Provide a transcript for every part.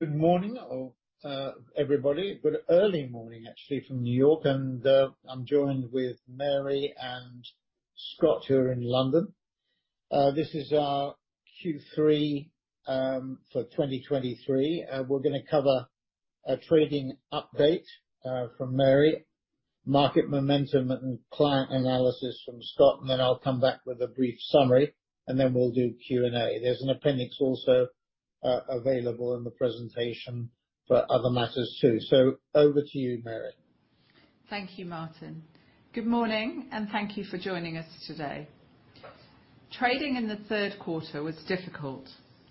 Good morning, all, everybody. Well, early morning, actually, from New York, and, I'm joined with Mary and Scott, who are in London. This is our Q3 for 2023. We're gonna cover a trading update from Mary, market momentum and client analysis from Scott, and then I'll come back with a brief summary, and then we'll do Q&A. There's an appendix also available in the presentation for other matters, too. So over to you, Mary. Thank you, Martin. Good morning, and thank you for joining us today. Trading in the third quarter was difficult,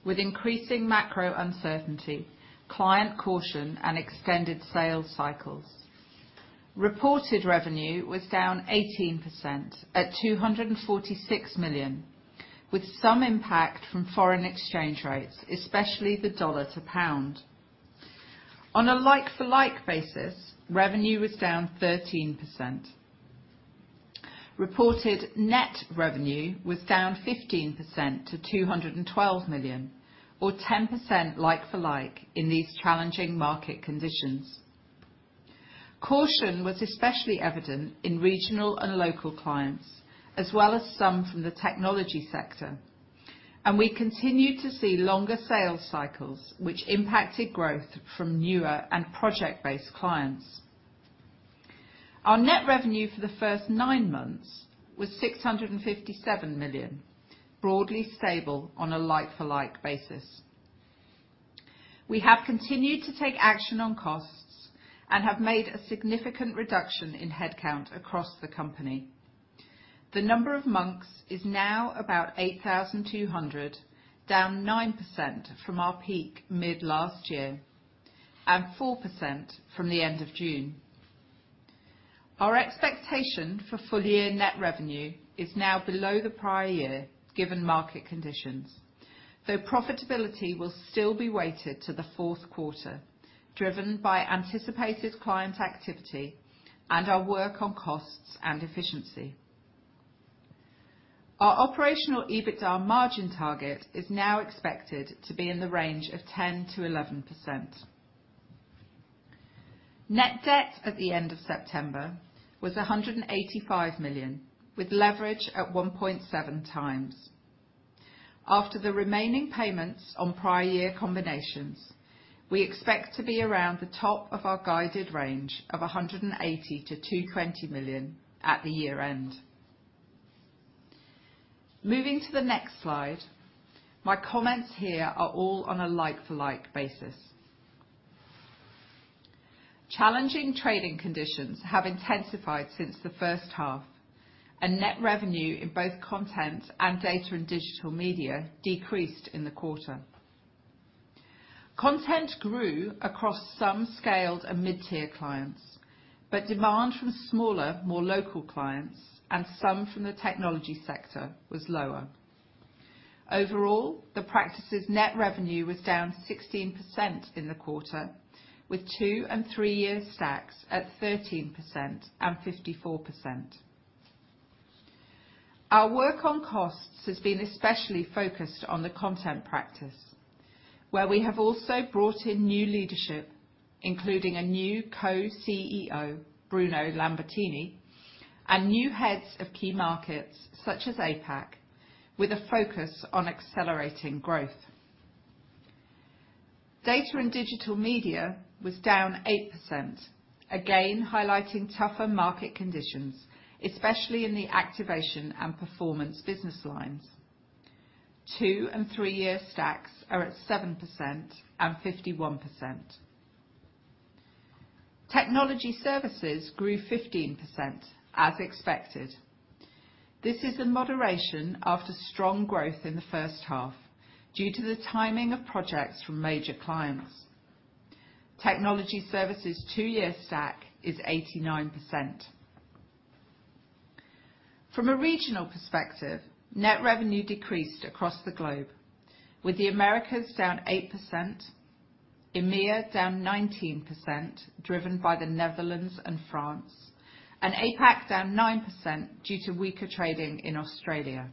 with increasing macro uncertainty, client caution, and extended sales cycles. Reported revenue was down 18%, at 246 million, with some impact from foreign exchange rates, especially the dollar to pound. On a like-for-like basis, revenue was down 13%. Reported net revenue was down 15% to 212 million, or 10% like-for-like in these challenging market conditions. Caution was especially evident in regional and local clients, as well as some from the technology sector, and we continued to see longer sales cycles, which impacted growth from newer and project-based clients. Our net revenue for the first nine months was 657 million, broadly stable on a like-for-like basis. We have continued to take action on costs and have made a significant reduction in headcount across the company. The number of Monks is now about 8,200, down 9% from our peak mid last year, and 4% from the end of June. Our expectation for full year net revenue is now below the prior year, given market conditions, though profitability will still be weighted to the fourth quarter, driven by anticipated client activity and our work on costs and efficiency. Our operational EBITDA margin target is now expected to be in the range of 10%-11%. Net debt at the end of September was 185 million, with leverage at 1.7x. After the remaining payments on prior year combinations, we expect to be around the top of our guided range of 180 million-220 million at year-end. Moving to the next slide, my comments here are all on a like-for-like basis. Challenging trading conditions have intensified since the first half, and net revenue in both Content and Data and Digital Media decreased in the quarter. Content grew across some scaled and mid-tier clients, but demand from smaller, more local clients and some from the technology sector was lower. Overall, the practice's net revenue was down 16% in the quarter, with two- and three-year stacks at 13% and 54%. Our work on costs has been especially focused on the Content practice, where we have also brought in new leadership, including a new co-CEO, Bruno Lambertini, and new heads of key markets such as APAC, with a focus on accelerating growth. Data and Digital Media was down 8%, again, highlighting tougher market conditions, especially in the activation and performance business lines. two- and three-year stacks are at 7% and 51%. Technology Services grew 15%, as expected. This is a moderation after strong growth in the first half due to the timing of projects from major clients. Technology Services' two-year stack is 89%. From a regional perspective, net revenue decreased across the globe, with the Americas down 8%, EMEA down 19%, driven by the Netherlands and France, and APAC down 9% due to weaker trading in Australia.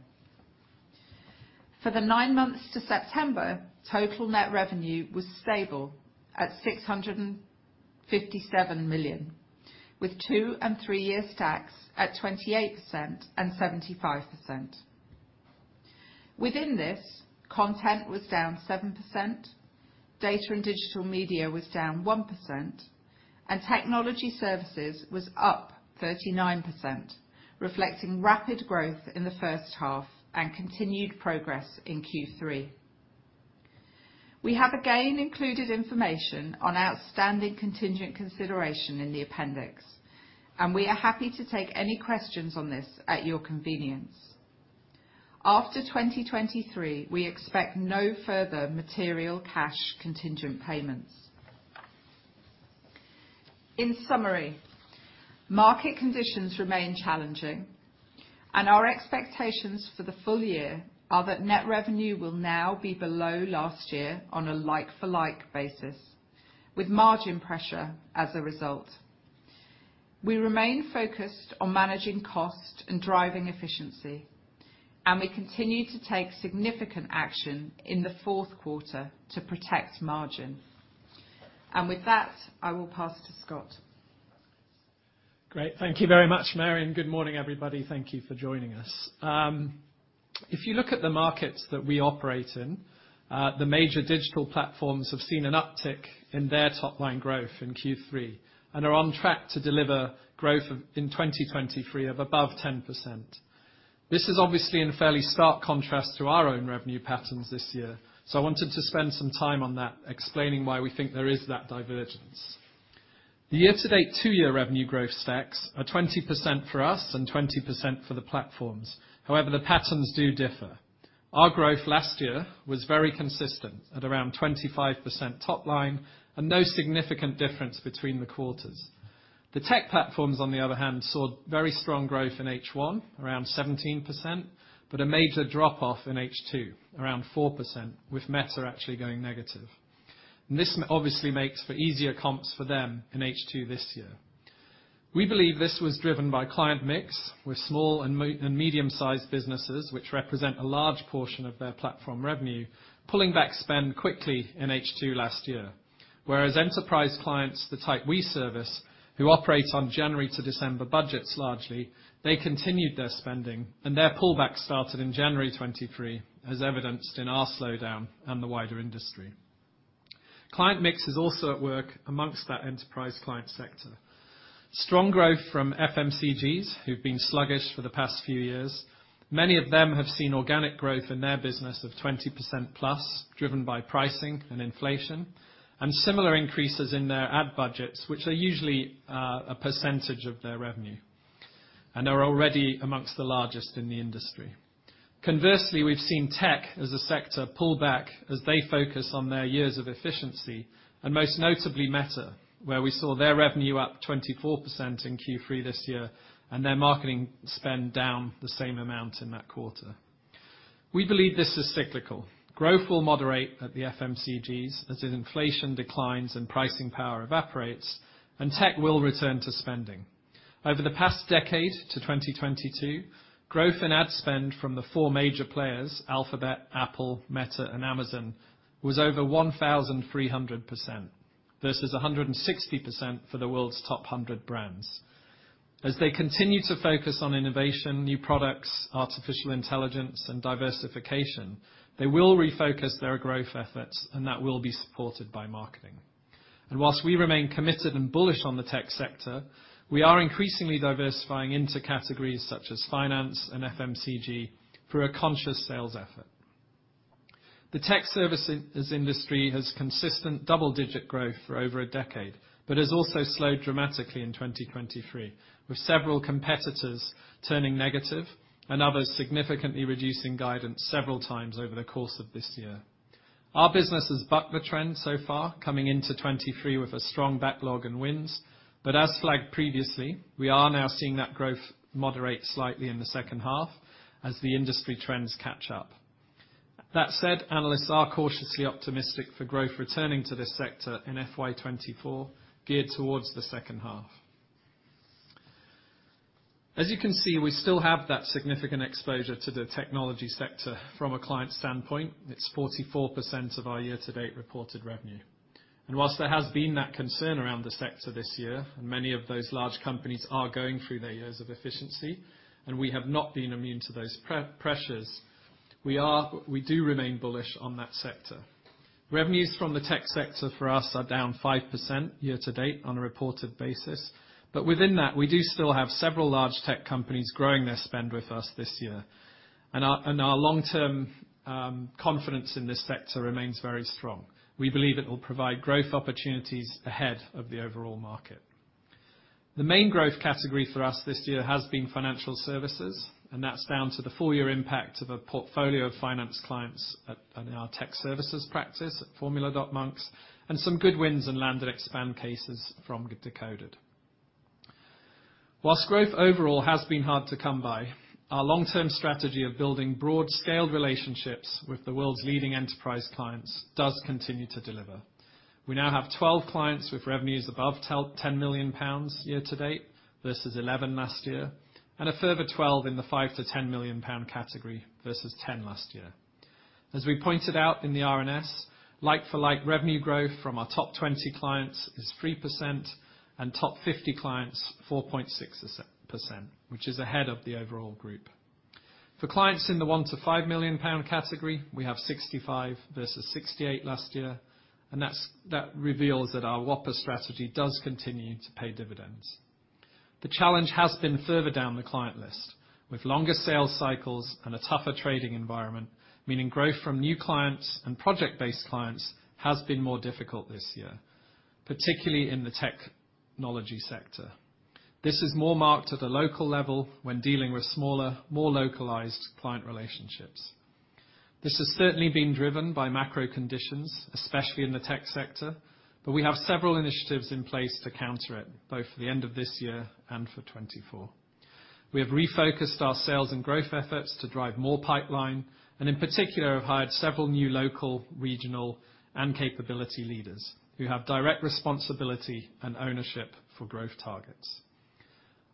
For the nine months to September, total net revenue was stable at 657 million, with two- and three-year stacks at 28% and 75%. Within this, Content was down 7%, Data and Digital Media was down 1%, and Technology Services was up 39%, reflecting rapid growth in the first half and continued progress in Q3. We have again included information on outstanding contingent consideration in the appendix, and we are happy to take any questions on this at your convenience. After 2023, we expect no further material cash contingent payments. In summary, market conditions remain challenging, and our expectations for the full year are that net revenue will now be below last year on a like-for-like basis, with margin pressure as a result. We remain focused on managing cost and driving efficiency, and we continue to take significant action in the fourth quarter to protect margin. With that, I will pass to Scott. Great. Thank you very much, Mary, and good morning, everybody. Thank you for joining us. If you look at the markets that we operate in, the major digital platforms have seen an uptick in their top line growth in Q3, and are on track to deliver growth of above 10% in 2023. This is obviously in fairly stark contrast to our own revenue patterns this year, so I wanted to spend some time on that, explaining why we think there is that divergence. The year-to-date two-year revenue growth stacks are 20% for us and 20% for the platforms. However, the patterns do differ. Our growth last year was very consistent at around 25% top line, and no significant difference between the quarters. The tech platforms, on the other hand, saw very strong growth in H1, around 17%, but a major drop-off in H2, around 4%, with Meta actually going negative. And this obviously makes for easier comps for them in H2 this year. We believe this was driven by client mix, with small and medium-sized businesses, which represent a large portion of their platform revenue, pulling back spend quickly in H2 last year. Whereas enterprise clients, the type we service, who operate on January to December budgets, largely, they continued their spending, and their pullback started in January 2023, as evidenced in our slowdown and the wider industry. Client mix is also at work amongst that enterprise client sector. Strong growth from FMCGs, who've been sluggish for the past few years. Many of them have seen organic growth in their business of 20%+, driven by pricing and inflation, and similar increases in their ad budgets, which are usually a percentage of their revenue, and are already among the largest in the industry. Conversely, we've seen tech as a sector pull back as they focus on their years of efficiency, and most notably, Meta, where we saw their revenue up 24% in Q3 this year, and their marketing spend down the same amount in that quarter. We believe this is cyclical. Growth will moderate at the FMCGs as inflation declines and pricing power evaporates, and tech will return to spending. Over the past decade to 2022, growth in ad spend from the four major players, Alphabet, Apple, Meta, and Amazon, was over 1,300%, versus 160% for the world's top 100 brands. As they continue to focus on innovation, new products, artificial intelligence, and diversification, they will refocus their growth efforts, and that will be supported by marketing. And while we remain committed and bullish on the tech sector, we are increasingly diversifying into categories such as finance and FMCG through a conscious sales effort. The tech services industry has consistent double-digit growth for over a decade, but has also slowed dramatically in 2023, with several competitors turning negative and others significantly reducing guidance several times over the course of this year. Our business has bucked the trend so far, coming into 2023 with a strong backlog and wins, but as flagged previously, we are now seeing that growth moderate slightly in the second half as the industry trends catch up. That said, analysts are cautiously optimistic for growth returning to this sector in FY 2024, geared towards the second half. As you can see, we still have that significant exposure to the technology sector from a client standpoint. It's 44% of our year-to-date reported revenue. And while there has been that concern around the sector this year, and many of those large companies are going through their years of efficiency, and we have not been immune to those pressures, we are, we do remain bullish on that sector. Revenues from the tech sector for us are down 5% year to date on a reported basis, but within that, we do still have several large tech companies growing their spend with us this year. Our long-term confidence in this sector remains very strong. We believe it will provide growth opportunities ahead of the overall market. The main growth category for us this year has been financial services, and that's down to the full year impact of a portfolio of finance clients in our tech services practice at Formula.Monks, and some good wins and land and expand cases from Decoded. Whilst growth overall has been hard to come by, our long-term strategy of building broad-scale relationships with the world's leading enterprise clients does continue to deliver. We now have 12 clients with revenues above 10 million pounds year to date versus 11 last year, and a further 12 in the 5 million-10 million pound category versus 10 last year. As we pointed out in the RNS, like-for-like revenue growth from our top 20 clients is 3%, and top 50 clients, 4.6%, which is ahead of the overall group. For clients in the 1 million-5 million pound category, we have 65 versus 68 last year, and that's, that reveals that our Whopper strategy does continue to pay dividends. The challenge has been further down the client list, with longer sales cycles and a tougher trading environment, meaning growth from new clients and project-based clients has been more difficult this year, particularly in the technology sector. This is more marked at the local level when dealing with smaller, more localized client relationships. This has certainly been driven by macro conditions, especially in the tech sector, but we have several initiatives in place to counter it, both for the end of this year and for 2024. We have refocused our sales and growth efforts to drive more pipeline, and in particular, have hired several new local, regional, and capability leaders, who have direct responsibility and ownership for growth targets.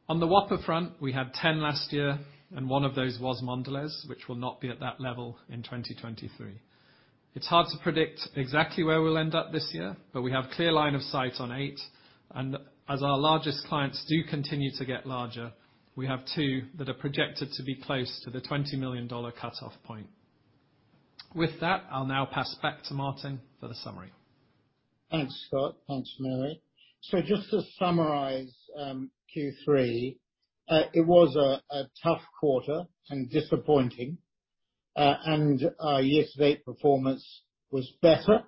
On the Whopper front, we had 10 last year, and 1 of those was Mondelez, which will not be at that level in 2023. It's hard to predict exactly where we'll end up this year, but we have clear line of sight on 8, and as our largest clients do continue to get larger, we have 2 that are projected to be close to the $20 million cutoff point. With that, I'll now pass back to Martin for the summary. Thanks, Scott. Thanks, Mary. So just to summarize, Q3, it was a tough quarter and disappointing. And our year-to-date performance was better,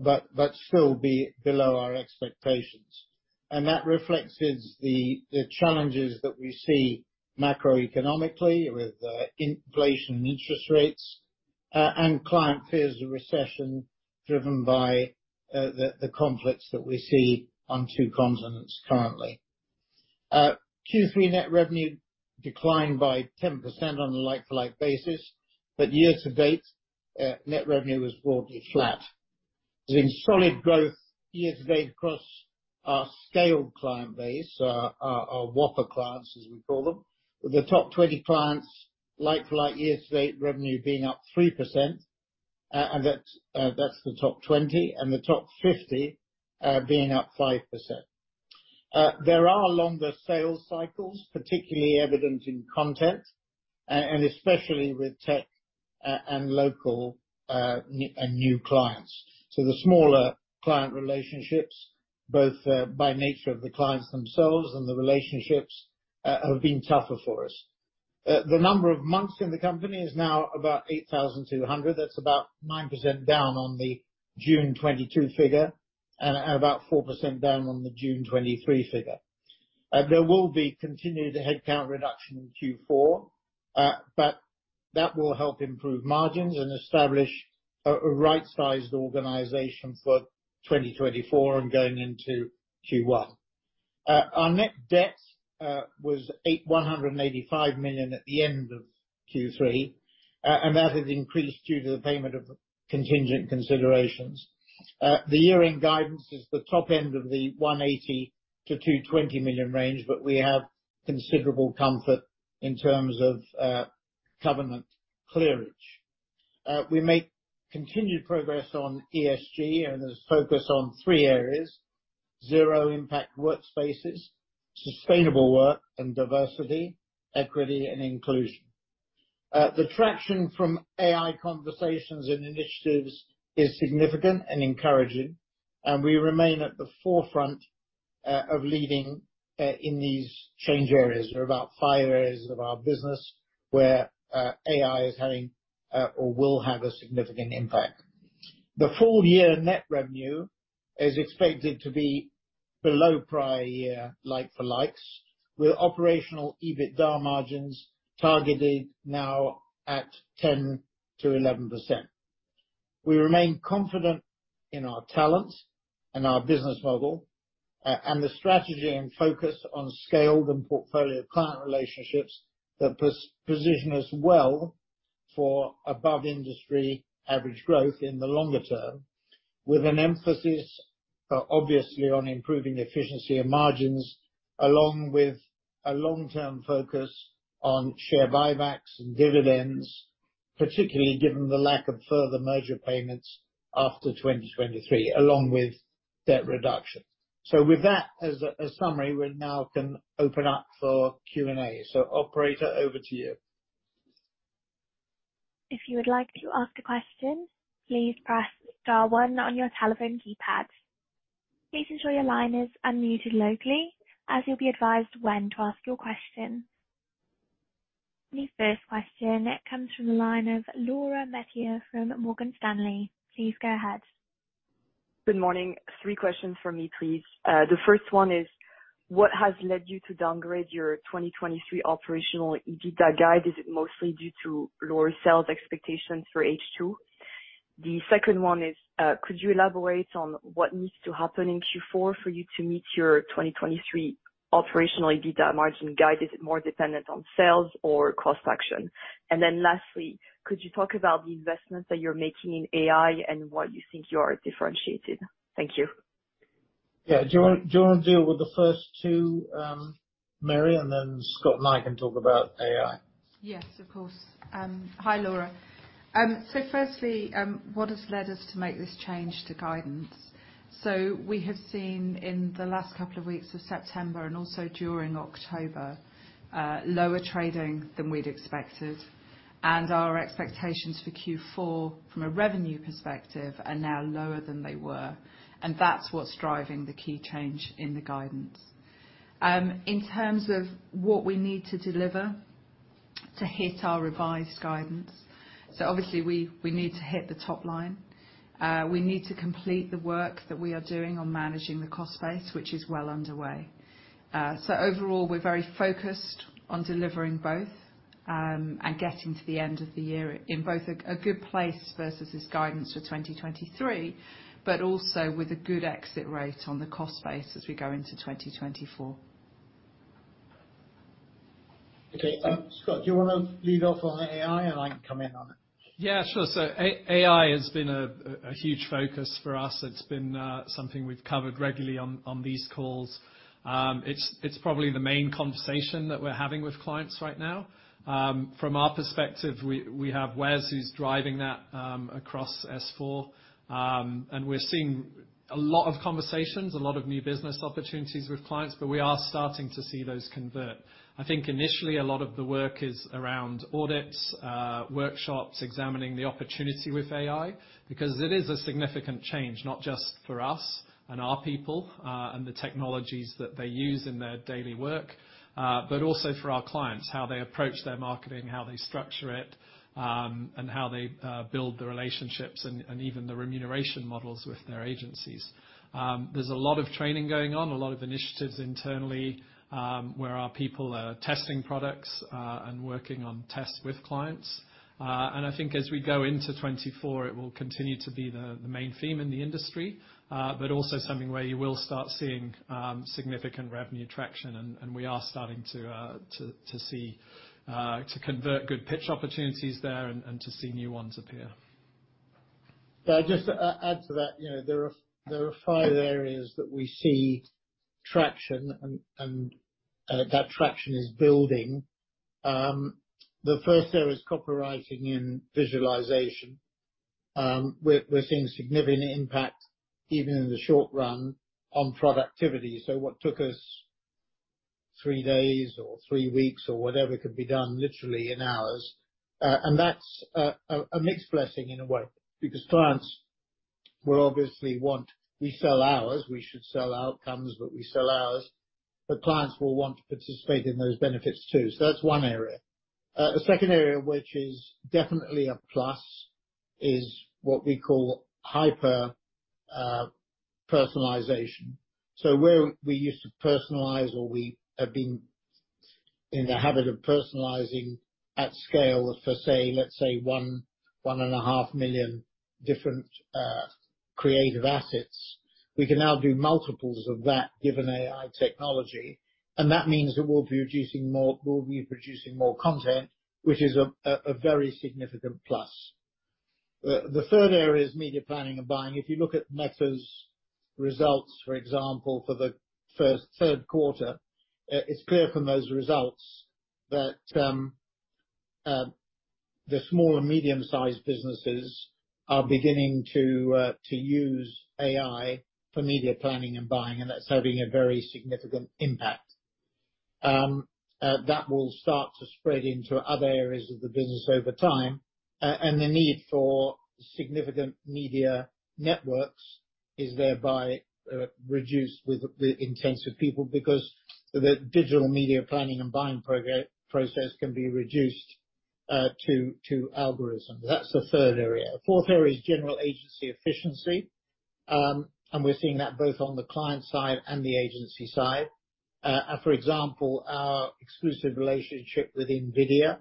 but still be below our expectations. And that reflects the challenges that we see macroeconomically with inflation and interest rates, and client fears of recession driven by the conflicts that we see on two continents currently. Q3 net revenue declined by 10% on a like-for-like basis, but year to date, net revenue was broadly flat. There's been solid growth year to date across our scaled client base, our Whopper clients, as we call them. The top 20 clients, like for like year to date revenue being up 3%, and that's the top 20, and the top 50 being up 5%. There are longer sales cycles, particularly evident in Content, and especially with tech, and local and new clients. So the smaller client relationships, both by nature of the clients themselves and the relationships, have been tougher for us. The number of Monks in the company is now about 8,200. That's about 9% down on the June 2022 figure, and about 4% down on the June 2023 figure. There will be continued headcount reduction in Q4, but that will help improve margins and establish a right-sized organization for 2024 and going into Q1. Our net debt was £185 million at the end of Q3, and that has increased due to the payment of contingent considerations. The year-end guidance is the top end of the 180 million-220 million range, but we have considerable comfort in terms of covenant clearage. We make continued progress on ESG, and there's focus on three areas: Zero Impact Workspaces, Sustainable Work, and Diversity, Equity and Inclusion. The traction from AI conversations and initiatives is significant and encouraging, and we remain at the forefront of leading in these change areas. There are about five areas of our business where AI is having or will have a significant impact. The full year net revenue is expected to be below prior year, like-for-like, with operational EBITDA margins targeted now at 10%-11%. We remain confident in our talents and our business model, and the strategy and focus on scaled and portfolio client relationships that position us well for above-industry average growth in the longer term, with an emphasis, obviously on improving efficiency and margins, along with a long-term focus on share buybacks and dividends, particularly given the lack of further merger payments after 2023, along with debt reduction. So with that, as a, as summary, we now can open up for Q&A. So operator, over to you. If you would like to ask a question, please press star one on your telephone keypad. Please ensure your line is unmuted locally, as you'll be advised when to ask your question. The first question, it comes from the line of Laura Metayer from Morgan Stanley. Please go ahead. Good morning. Three questions for me, please. The first one is: What has led you to downgrade your 2023 operational EBITDA guide? Is it mostly due to lower sales expectations for H2? The second one is: Could you elaborate on what needs to happen in Q4 for you to meet your 2023 operational EBITDA margin guide? Is it more dependent on sales or cost action? And then lastly, could you talk about the investments that you're making in AI and why you think you are differentiated? Thank you. Yeah. Do you want, do you want to deal with the first two, Mary? Then Scott and I can talk about AI. Yes, of course. Hi, Laura. So firstly, what has led us to make this change to guidance? So we have seen in the last couple of weeks of September, and also during October, lower trading than we'd expected, and our expectations for Q4, from a revenue perspective, are now lower than they were, and that's what's driving the key change in the guidance. In terms of what we need to deliver to hit our revised guidance, so obviously, we need to hit the top line. We need to complete the work that we are doing on managing the cost base, which is well underway. So overall, we're very focused on delivering both.and getting to the end of the year in both a good place versus guidance for 2023, but also with a good exit rate on the cost base as we go into 2024. Okay, Scott, do you want to lead off on AI, and I can come in on it? Yeah, sure. So AI has been a huge focus for us. It's been something we've covered regularly on these calls. It's probably the main conversation that we're having with clients right now. From our perspective, we have Wes, who's driving that, across S4. And we're seeing a lot of conversations, a lot of new business opportunities with clients, but we are starting to see those convert. I think initially, a lot of the work is around audits, workshops, examining the opportunity with AI, because it is a significant change, not just for us and our people, and the technologies that they use in their daily work, but also for our clients, how they approach their marketing, how they structure it, and how they build the relationships and even the remuneration models with their agencies. There's a lot of training going on, a lot of initiatives internally, where our people are testing products and working on tests with clients. And I think as we go into 2024, it will continue to be the main theme in the industry, but also something where you will start seeing significant revenue traction, and we are starting to convert good pitch opportunities there and to see new ones appear. So I'll just add to that. You know, there are five areas that we see traction, and that traction is building. The first area is copywriting and visualization. We're seeing significant impact, even in the short run, on productivity. So what took us three days or three weeks or whatever, could be done literally in hours. And that's a mixed blessing in a way, because clients will obviously want... We sell hours. We should sell outcomes, but we sell hours. The clients will want to participate in those benefits, too. So that's one area. A second area, which is definitely a plus, is what we call hyper personalization. So where we used to personalize, or we have been in the habit of personalizing at scale for, say, let's say 1-1.5 million different creative assets, we can now do multiples of that given AI technology, and that means that we'll be producing more, we'll be producing more content, which is a very significant plus. The third area is media planning and buying. If you look at Meta's results, for example, for the third quarter, it's clear from those results that the small and medium-sized businesses are beginning to use AI for media planning and buying, and that's having a very significant impact. That will start to spread into other areas of the business over time, and the need for significant media networks is thereby reduced with the intensive people, because the digital media planning and buying process can be reduced to algorithms. That's the third area. Fourth area is general agency efficiency, and we're seeing that both on the client side and the agency side. For example, our exclusive relationship with NVIDIA,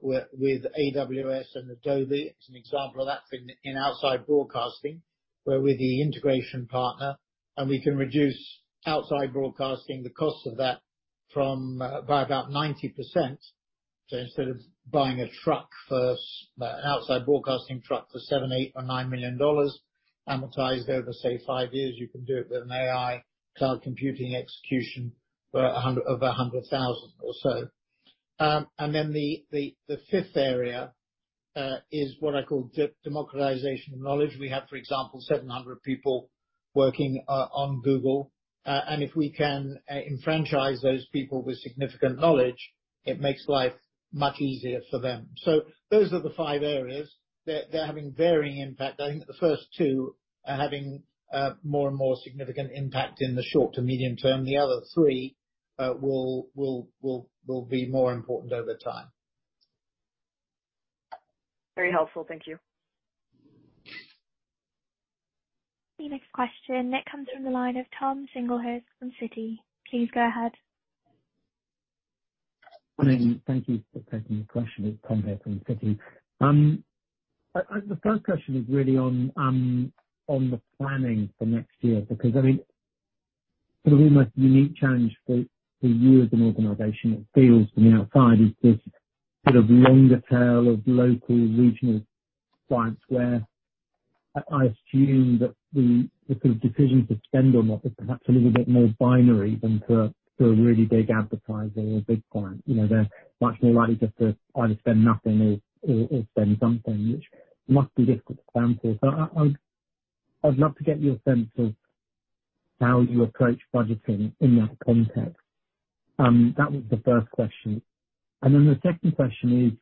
with AWS and Adobe is an example of that in outside broadcasting, where we're the integration partner, and we can reduce outside broadcasting, the cost of that, by about 90%. So instead of buying a truck for an outside broadcasting truck for $7 million, $8 million, or $9 million, amortized over, say, five years, you can do it with an AI cloud computing execution for 100, over 100,000 or so. And then the fifth area is what I call democratization of knowledge. We have, for example, 700 people working on Google, and if we can enfranchise those people with significant knowledge, it makes life much easier for them. So those are the five areas. They're having varying impact. I think the first two are having more and more significant impact in the short to medium term. The other three will be more important over time. Very helpful. Thank you. The next question, that comes from the line of Tom Singlehurst from Citi. Please go ahead. Good morning. Thank you for taking the question. It's Tom here from Citi. The first question is really on the planning for next year, because, I mean, sort of the most unique challenge for you as an organization, it feels from the outside, is this sort of longer tail of local, regional clients where I assume that the sort of decision to spend or not is perhaps a little bit more binary than for a really big advertiser or a big client. You know, they're much more likely just to either spend nothing or spend something, which must be difficult to plan for. So I'd love to get your sense of how you approach budgeting in that context. That was the first question. And then the second question is,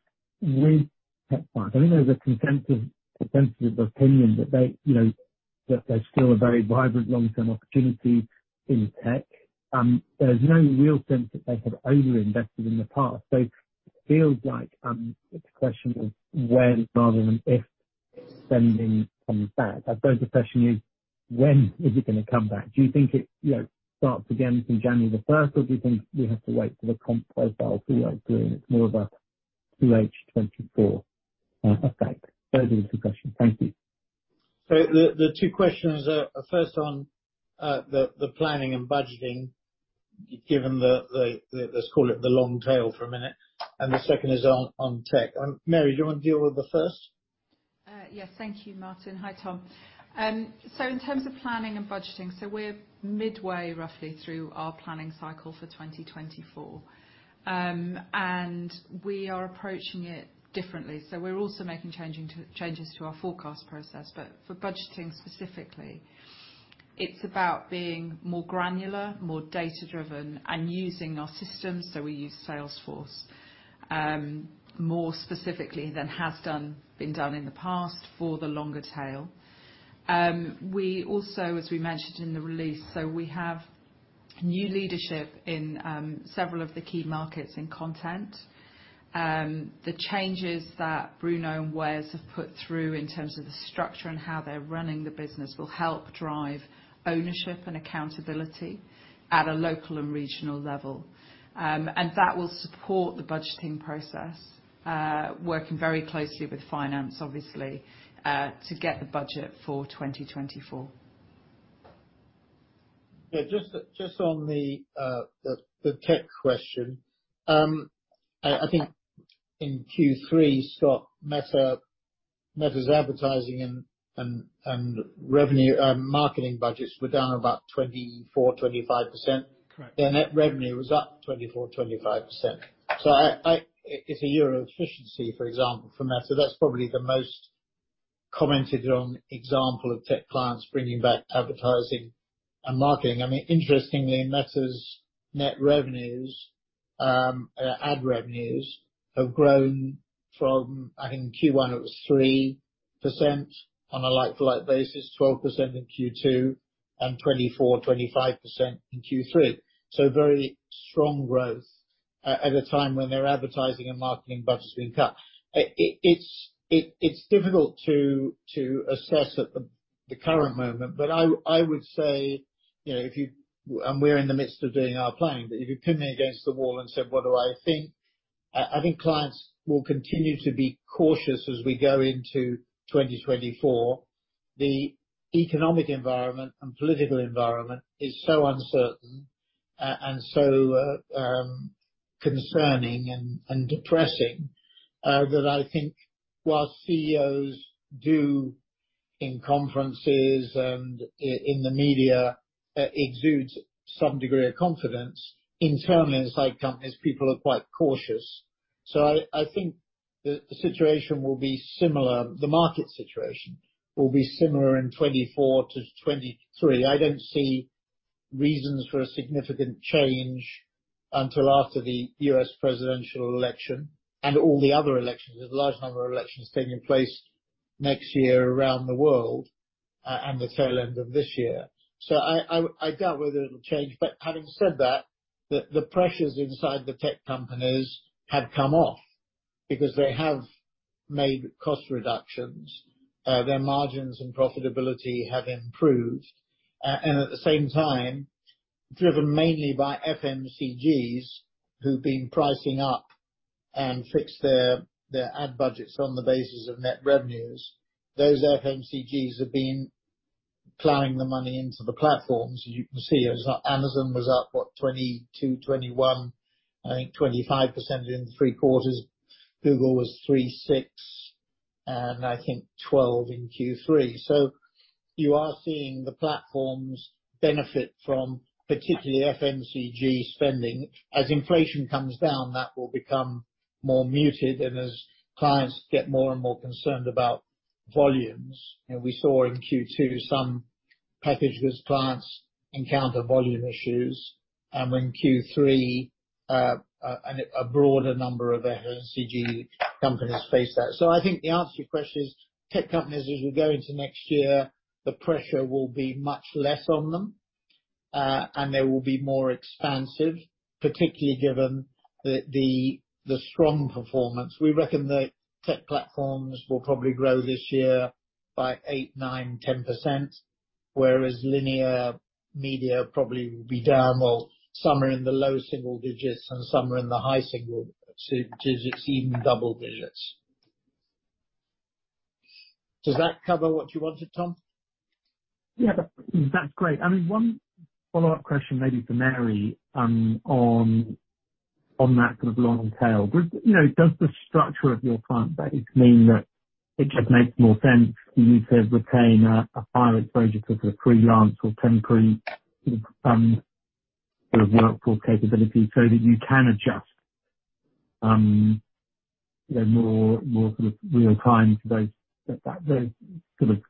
with Tech Five, I think there's a consensus, consensus of opinion that they, you know, that there's still a very vibrant long-term opportunity in tech. There's no real sense that they had overinvested in the past. So it feels like, it's a question of when rather than if spending comes back. I suppose the question is, when is it going to come back? Do you think it, you know, starts again from January the first, or do you think we have to wait for the comp profile to, like, do it? It's more of a QH 2024 effect. Those are the two questions. Thank you. So the two questions are first on the long tail for a minute. And the second is on tech. Mary, do you want to deal with the first? Yes. Thank you, Martin. Hi, Tom. So in terms of planning and budgeting, we're midway, roughly, through our planning cycle for 2024. And we are approaching it differently, so we're also making changes to our forecast process. But for budgeting specifically, it's about being more granular, more data-driven, and using our systems, so we use Salesforce more specifically than has been done in the past for the longer tail. We also, as we mentioned in the release, have new leadership in several of the key markets in Content. The changes that Bruno and Wes have put through, in terms of the structure and how they're running the business, will help drive ownership and accountability at a local and regional level. That will support the budgeting process, working very closely with finance, obviously, to get the budget for 2024. Yeah, just on the tech question. I think in Q3, Scott, Meta's advertising and revenue, marketing budgets were down about 24%-25%. Correct. Their net revenue was up 24%-25%. So it's an AI efficiency, for example, for Meta. That's probably the most commented on example of tech clients bringing back advertising and marketing. I mean, interestingly, Meta's net revenues, ad revenues, have grown from, I think in Q1, it was 3% on a like-for-like basis, 12% in Q2, and 24%-25% in Q3. So very strong growth at a time when their advertising and marketing budgets being cut. It's difficult to assess at the current moment, but I would say, you know, if you... We're in the midst of doing our planning, but if you pin me against the wall and said, "What do I think?" I think clients will continue to be cautious as we go into 2024. The economic environment and political environment is so uncertain, and so, concerning and depressing, that I think while CEOs do in conferences and in the media, exudes some degree of confidence, internally inside companies, people are quite cautious. So I think the situation will be similar, the market situation will be similar in 2024 to 2023. I don't see reasons for a significant change until after the U.S. presidential election and all the other elections. There's a large number of elections taking place next year around the world, and the tail end of this year. So I doubt whether it'll change. But having said that, the pressures inside the tech companies have come off because they have made cost reductions, their margins and profitability have improved. And at the same time, driven mainly by FMCGs, who've been pricing up and fixed their ad budgets on the basis of net revenues, those FMCGs have been plowing the money into the platforms. You can see, it was up—Amazon was up, what? 22, 21, I think 25% in three quarters. Google was 36, and I think 12 in Q3. So you are seeing the platforms benefit from particularly FMCG spending. As inflation comes down, that will become more muted, and as clients get more and more concerned about volumes, and we saw in Q2 some packages, clients encounter volume issues, and when Q3, and a broader number of FMCG companies face that. So I think the answer to your question is, tech companies, as we go into next year, the pressure will be much less on them, and they will be more expansive, particularly given the, the, the strong performance. We reckon the tech platforms will probably grow this year by 8, 9, 10%, whereas linear media probably will be down, or somewhere in the low single digits, and somewhere in the high single to digits, even double digits. Does that cover what you wanted, Tom? Yeah, that's great. I mean, one follow-up question, maybe for Mary, on that kind of long tail. Would, you know, does the structure of your client base mean that it just makes more sense for you to retain a higher exposure to sort of freelance or temporary sort of workforce capability, so that you can adjust, you know, more sort of real time to those sort of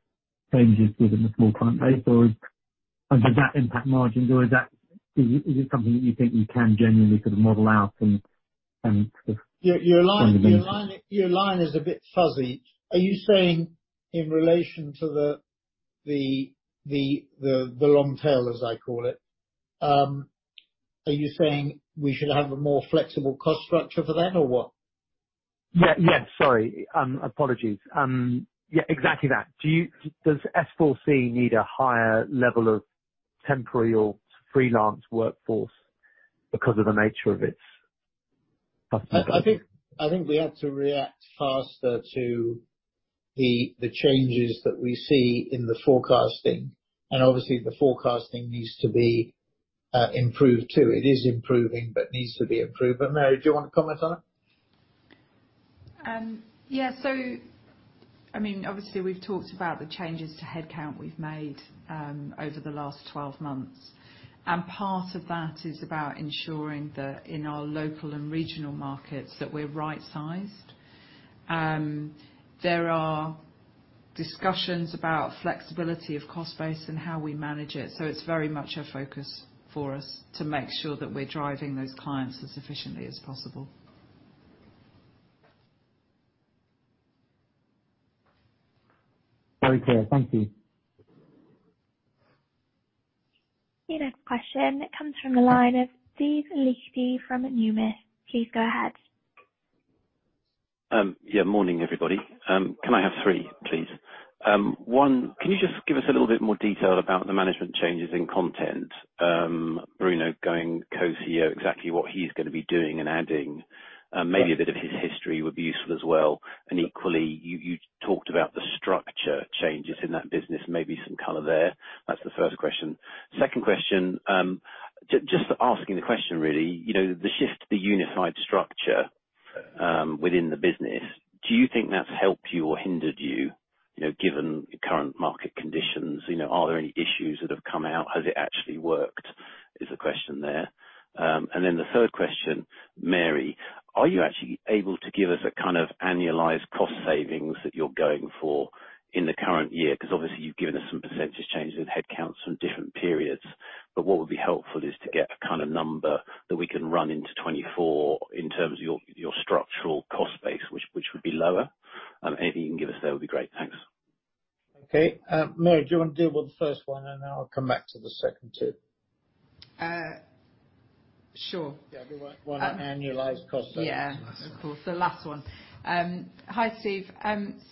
changes within the small client base, or does that impact margins, or is that... Is it something that you think you can genuinely sort of model out and sort of- Your line is a bit fuzzy. Are you saying in relation to the long tail, as I call it? Are you saying we should have a more flexible cost structure for that, or what? Yeah. Yeah, sorry. Apologies. Yeah, exactly that. Do you-- Does S4 C need a higher level of temporary or freelance workforce because of the nature of its customers? I think, I think we have to react faster to the changes that we see in the forecasting. And obviously, the forecasting needs to be improved, too. It is improving, but needs to be improved. But, Mary, do you want to comment on it? Yeah. So, I mean, obviously, we've talked about the changes to headcount we've made over the last 12 months, and part of that is about ensuring that in our local and regional markets, that we're right-sized. There are discussions about flexibility of cost base and how we manage it, so it's very much a focus for us to make sure that we're driving those clients as efficiently as possible. Very clear. Thank you. The next question comes from the line of Steve Liechti from Numis. Please go ahead. Yeah, morning, everybody. Can I have three, please? One, can you just give us a little bit more detail about the management changes in Content? Bruno going co-CEO, exactly what he's gonna be doing and adding, maybe a bit of his history would be useful as well. And equally, you talked about the structure changes in that business, maybe some color there. That's the first question. Second question, just asking the question really, you know, the shift to the unified structure within the business, do you think that's helped you or hindered you, you know, given the current market conditions? You know, are there any issues that have come out? Has it actually worked, is the question there. And then the third question: Mary, are you actually able to give us a kind of annualized cost savings that you're going for in the current year? Because obviously, you've given us some percentage changes in headcounts from different periods, but what would be helpful is to get a kind of number that we can run into 2024 in terms of your, your structural cost base, which, which would be lower. Anything you can give us there would be great. Thanks. Okay. Mary, do you want to deal with the first one, and then I'll come back to the second two? Uh, sure. Yeah, you want the annualized cost? Yeah, of course. The last one. Hi, Steve.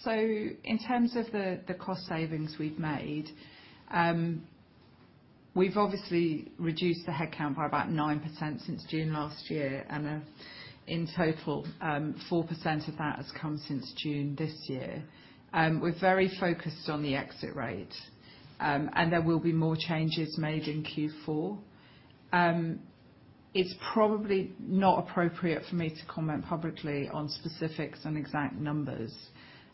So in terms of the cost savings we've made, we've obviously reduced the headcount by about 9% since June last year, and in total, 4% of that has come since June this year. We're very focused on the exit rate, and there will be more changes made in Q4. It's probably not appropriate for me to comment publicly on specifics and exact numbers,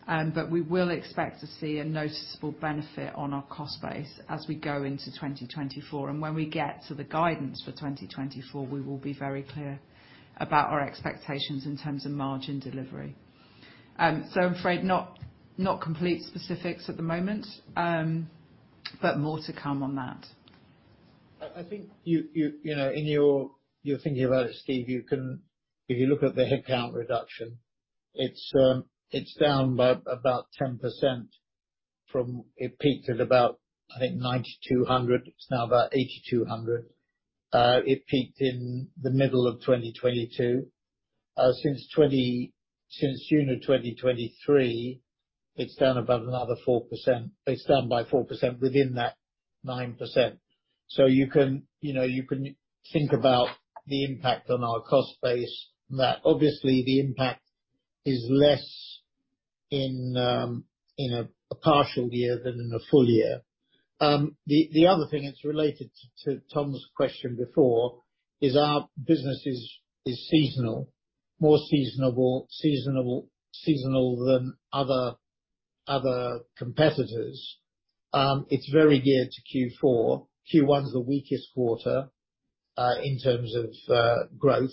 but we will expect to see a noticeable benefit on our cost base as we go into 2024. When we get to the guidance for 2024, we will be very clear about our expectations in terms of margin delivery. I'm afraid not complete specifics at the moment, but more to come on that. I think you-- You know, in your thinking about it, Steve, you can-- If you look at the headcount reduction, it's down by about 10% from... It peaked at about, I think, 9,200. It's now about 8,200. It peaked in the middle of 2022. Since June of 2023, it's down about another 4%. It's down by 4% within that 9%. So you can, you know, you can think about the impact on our cost base, that obviously the impact is less in a partial year than in a full year. The other thing that's related to Tom's question before is our business is seasonal, more seasonal than other competitors. It's very geared to Q4. Q1 is the weakest quarter in terms of growth.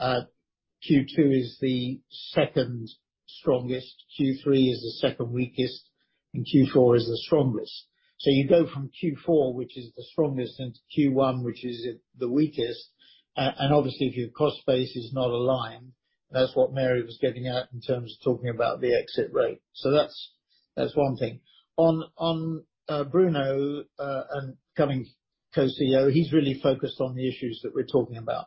Q2 is the second strongest, Q3 is the second weakest, and Q4 is the strongest. So you go from Q4, which is the strongest, into Q1, which is the weakest. And obviously, if your cost base is not aligned, that's what Mary was getting at in terms of talking about the exit rate. So that's one thing. On Bruno and becoming co-CEO, he's really focused on the issues that we're talking about.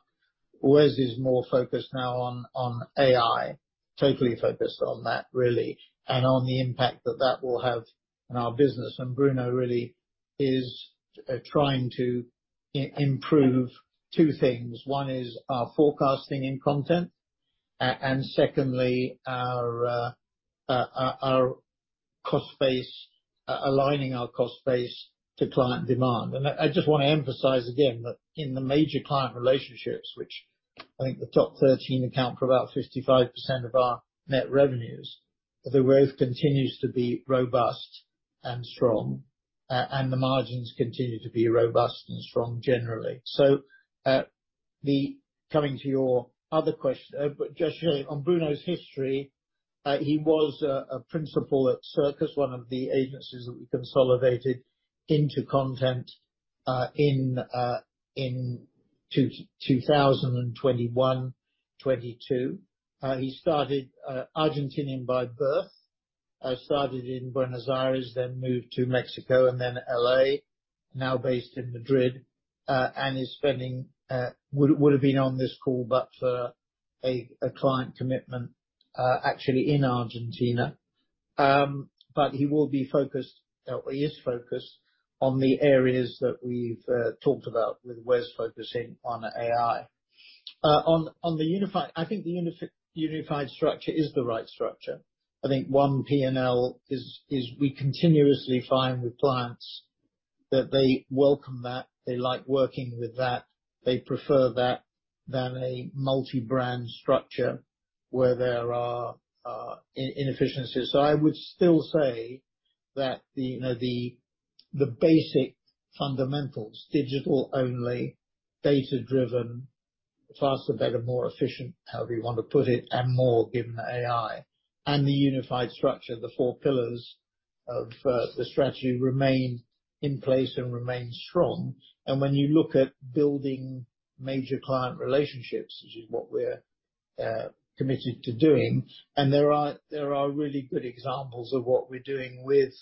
Wes is more focused now on AI, totally focused on that, really, and on the impact that that will have on our business. And Bruno really is trying to improve two things. One is our forecasting in Content, and secondly, our cost base, aligning our cost base to client demand. I just want to emphasize again that in the major client relationships, which I think the top 13 account for about 55% of our net revenues, the growth continues to be robust and strong, and the margins continue to be robust and strong generally. So, coming to your other question, but just really on Bruno's history, he was a principal at Circus, one of the agencies that we consolidated into Monks, in 2021, 2022. He started... Argentinian by birth. Started in Buenos Aires, then moved to Mexico, and then L.A., now based in Madrid, and would have been on this call, but for a client commitment, actually in Argentina. But he will be focused, or he is focused on the areas that we've talked about, with Wes focusing on AI. On the unified—I think the unified structure is the right structure. I think one P&L is, we continuously find with clients that they welcome that, they like working with that, they prefer that than a multi-brand structure where there are inefficiencies. So I would still say that the, you know, the basic fundamentals, digital only, data-driven, faster, better, more efficient, however you want to put it, and more given the AI and the unified structure, the four pillars of the strategy remain in place and remain strong. And when you look at building major client relationships, which is what we're committed to doing, and there are, there are really good examples of what we're doing with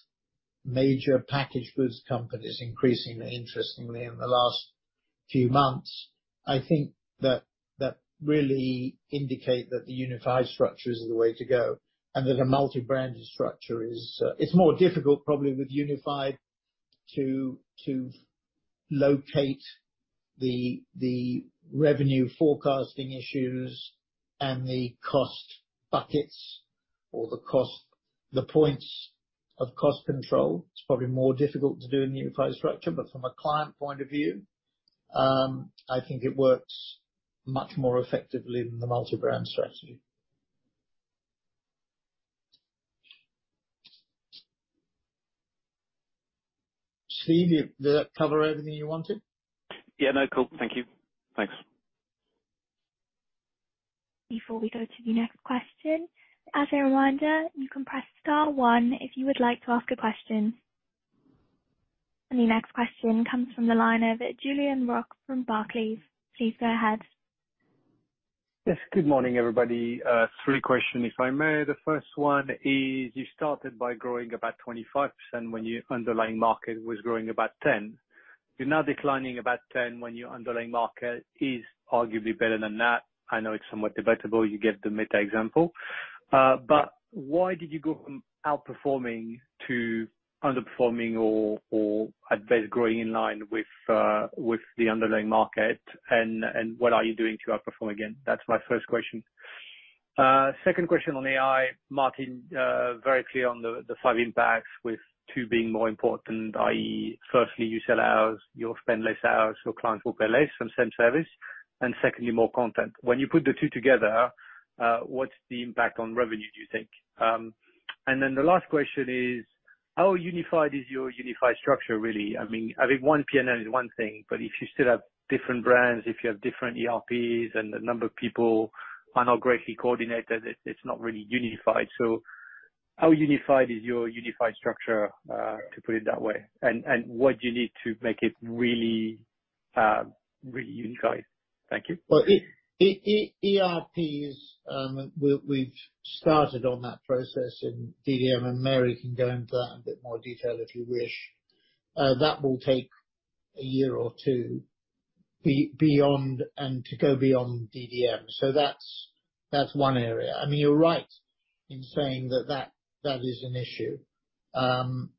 major packaged goods companies, increasingly, interestingly, in the last few months, I think that, that really indicate that the unified structure is the way to go, and that a multi-branded structure is. It's more difficult, probably, with unified to, to locate the, the revenue forecasting issues and the cost buckets or the cost - the points of cost control. It's probably more difficult to do in the unified structure, but from a client point of view, I think it works much more effectively than the multi-brand strategy. Steve, did that cover everything you wanted? Yeah, no, cool. Thank you. Thanks. Before we go to the next question, as a reminder, you can press star one if you would like to ask a question. The next question comes from the line of Julien Roch from Barclays. Please go ahead. Yes. Good morning, everybody. Three questions, if I may. The first one is: you started by growing about 25% when your underlying market was growing about 10%. You're now declining about 10%, when your underlying market is arguably better than that. I know it's somewhat debatable, you gave the Meta example, but why did you go from outperforming to underperforming or, or at best, growing in line with the underlying market? And what are you doing to outperform again? That's my first question. Second question on AI. Martin, very clear on the five impacts, with two being more important, i.e., firstly, you sell hours, you'll spend less hours, your clients will pay less for the same service, and secondly, more content. When you put the two together, what's the impact on revenue, do you think? And then the last question is: how unified is your unified structure, really? I mean, having one P&L is one thing, but if you still have different brands, if you have different ERPs, and the number of people are not greatly coordinated, it's, it's not really unified. So how unified is your unified structure, to put it that way? And, and what do you need to make it really, really unified? Thank you. Well, ERP is, we've started on that process in DDM, and Mary can go into that in a bit more detail, if you wish. That will take a year or two beyond and to go beyond DDM. So that's one area. I mean, you're right in saying that is an issue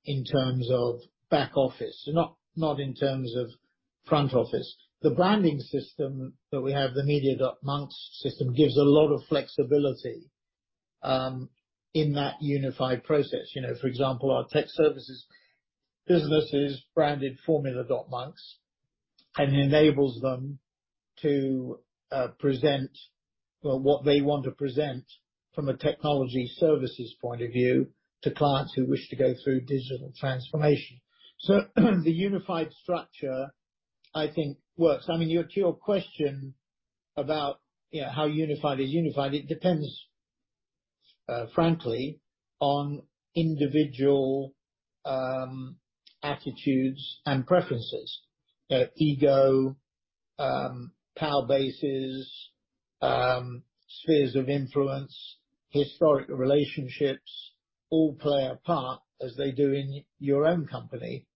in terms of back office, not in terms of front office. The branding system that we have, the Media.Monks system, gives a lot of flexibility in that unified process. You know, for example, our tech services business is branded Formula.Monks, and enables them to present, well, what they want to present from a technology services point of view to clients who wish to go through digital transformation. So, the unified structure, I think, works. I mean, to your question about, you know, how unified is unified, it depends, frankly, on individual attitudes and preferences. Ego, power bases, spheres of influence, historical relationships, all play a part as they do in your own company,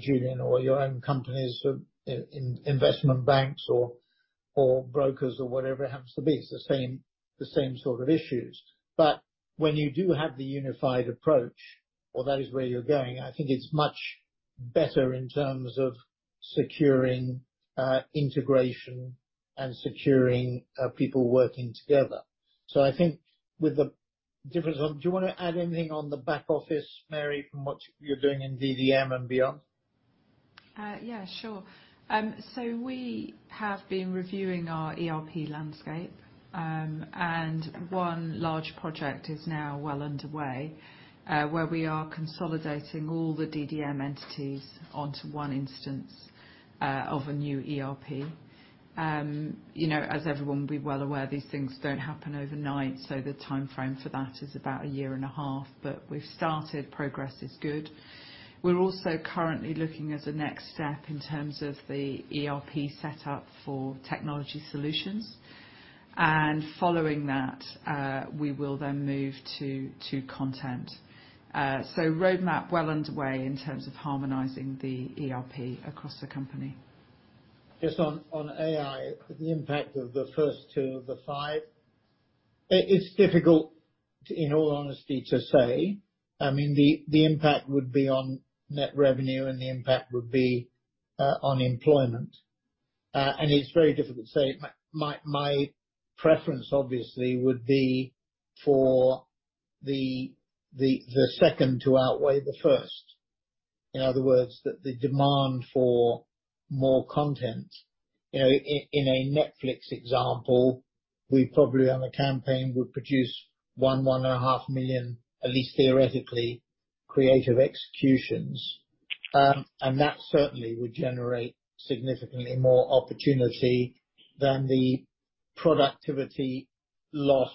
Julian, or your own companies in investment banks or brokers or whatever it happens to be. It's the same sort of issues. But when you do have the unified approach, or that is where you're going, I think it's much better in terms of securing integration and securing people working together. So I think with the different... Do you wanna add anything on the back office, Mary, from what you're doing in DDM and beyond? Yeah, sure. We have been reviewing our ERP landscape, and one large project is now well underway, where we are consolidating all the DDM entities onto one instance of a new ERP. You know, as everyone will be well aware, these things don't happen overnight, so the timeframe for that is about a year and a half. We've started. Progress is good. We're also currently looking at a next step in terms of the ERP setup for technology solutions. Following that, we will then move to, to Content. Roadmap well underway in terms of harmonizing the ERP across the company. Just on AI, the impact of the first two of the five, it is difficult, in all honesty, to say. I mean, the impact would be on net revenue, and the impact would be on employment. And it's very difficult to say. My preference, obviously, would be for the second to outweigh the first. In other words, that the demand for more content. You know, I, in a Netflix example, we probably, on a campaign, would produce 1.5 million, at least theoretically, creative executions. And that certainly would generate significantly more opportunity than the productivity loss,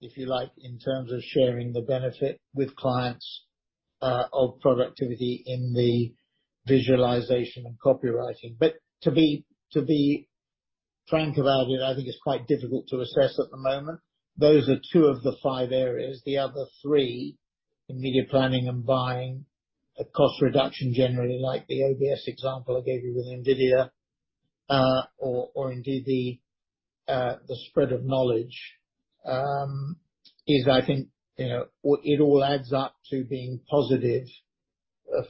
if you like, in terms of sharing the benefit with clients of productivity in the visualization and copywriting. But to be frank about it, I think it's quite difficult to assess at the moment. Those are two of the five areas. The other three, in media planning and buying, are cost reduction, generally, like the OBS example I gave you with NVIDIA, or, or indeed the, the spread of knowledge, is I think, you know, it all adds up to being positive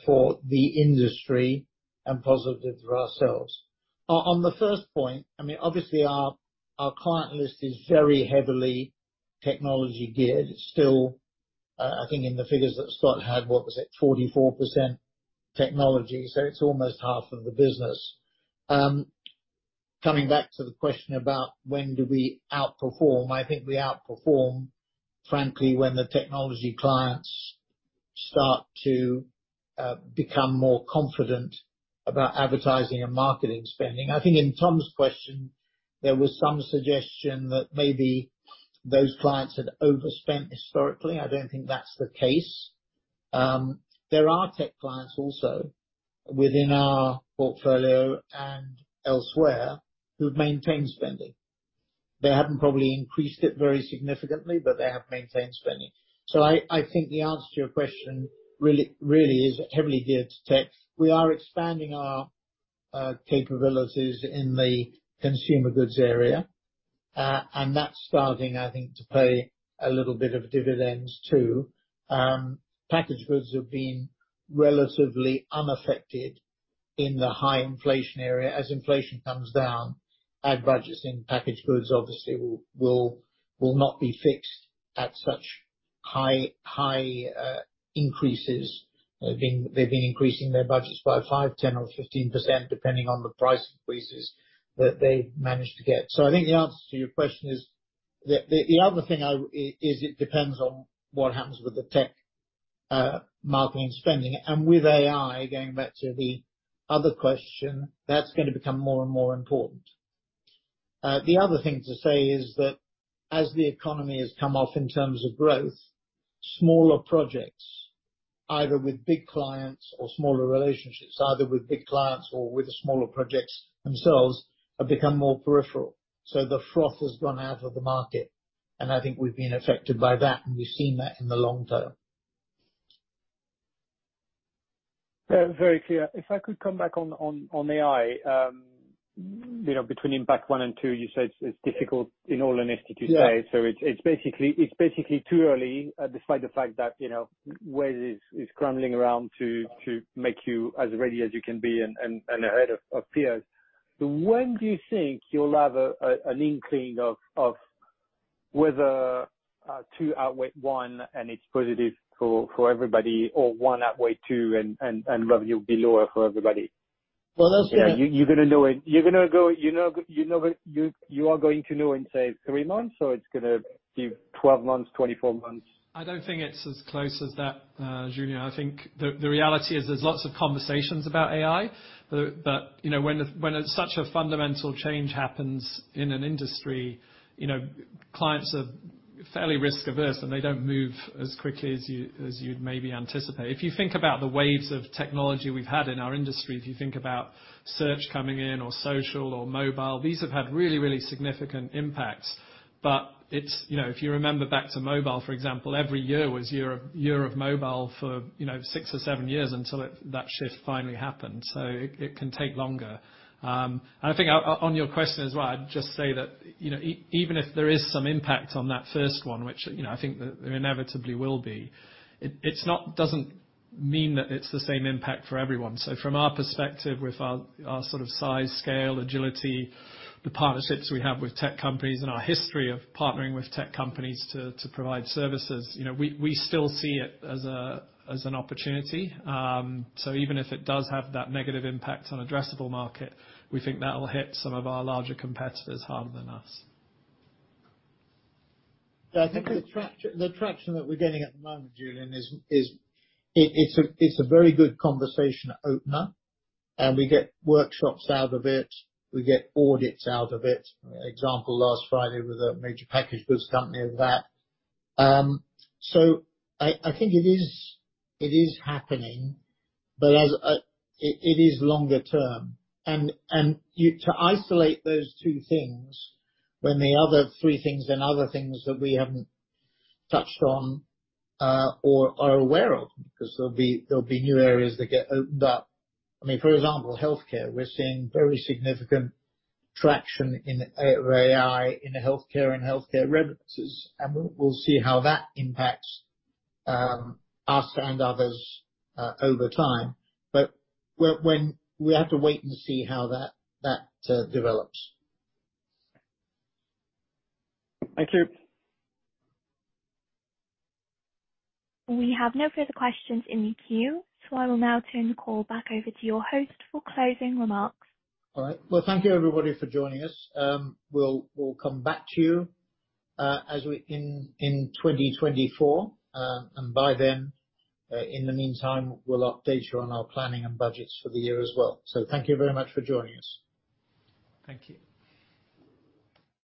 for the industry and positive for ourselves. On the first point, I mean, obviously our, our client list is very heavily technology-geared. It's still, I think in the figures that Scott had, what was it? 44% technology, so it's almost half of the business. Coming back to the question about when do we outperform, I think we outperform, frankly, when the technology clients start to, become more confident about advertising and marketing spending. I think in Tom's question, there was some suggestion that maybe those clients had overspent historically. I don't think that's the case. There are tech clients also, within our portfolio and elsewhere, who've maintained spending. They haven't probably increased it very significantly, but they have maintained spending. So I, I think the answer to your question really, really is heavily geared to tech. We are expanding our capabilities in the consumer goods area, and that's starting, I think, to pay a little bit of dividends too. Packaged goods have been relatively unaffected in the high inflation area. As inflation comes down, ad budgets in packaged goods obviously will not be fixed at such high increases. They've been increasing their budgets by 5, 10, or 15%, depending on the price increases that they've managed to get. So I think the answer to your question is... The other thing is it depends on what happens with the tech marketing spending. And with AI, going back to the other question, that's going to become more and more important. The other thing to say is that as the economy has come off in terms of growth, smaller projects, either with big clients or smaller relationships, either with big clients or with the smaller projects themselves, have become more peripheral. So the froth has gone out of the market, and I think we've been affected by that, and we've seen that in the long term. Very clear. If I could come back on AI. You know, between impact 1 and 2, you said it's difficult, in all honesty, to say. Yeah. So it's basically too early, despite the fact that, you know, Wes is scrambling around to make you as ready as you can be and ahead of peers. When do you think you'll have an inkling of whether two outweigh one and it's positive for everybody, or one outweigh two and revenue will be lower for everybody? Well, that's- You're gonna know it... You're gonna go, you know, you know that you are going to know in, say, three months, or it's gonna be 12 months, 24 months? I don't think it's as close as that, Julian. I think the reality is there's lots of conversations about AI, but, you know, when such a fundamental change happens in an industry, you know, clients are fairly risk-averse, and they don't move as quickly as you, as you'd maybe anticipate. If you think about the waves of technology we've had in our industry, if you think about search coming in, or social, or mobile, these have had really, really significant impacts. But it's. You know, if you remember back to mobile, for example, every year was year of mobile for, you know, six or seven years, until it, that shift finally happened, so it can take longer. And I think on your question as well, I'd just say that, you know, even if there is some impact on that first one, which, you know, I think there inevitably will be, it doesn't mean that it's the same impact for everyone. So from our perspective, with our sort of size, scale, agility, the partnerships we have with tech companies, and our history of partnering with tech companies to provide services, you know, we still see it as an opportunity. So even if it does have that negative impact on addressable market, we think that'll hit some of our larger competitors harder than us. I think the traction that we're getting at the moment, Julian, is. It's a very good conversation opener, and we get workshops out of it, we get audits out of it. Example, last Friday, with a major packaged goods company of that. So I think it is happening, but it is longer term. To isolate those two things, when the other three things, and other things that we haven't touched on or are aware of, because there'll be new areas that get opened up. I mean, for example, healthcare. We're seeing very significant traction in AI in healthcare and healthcare references, and we'll see how that impacts us and others over time. But when we have to wait and see how that develops. Thank you. We have no further questions in the queue, so I will now turn the call back over to your host for closing remarks. All right. Well, thank you, everybody, for joining us. We'll come back to you as we in 2024. And by then, in the meantime, we'll update you on our planning and budgets for the year as well. So thank you very much for joining us. Thank you.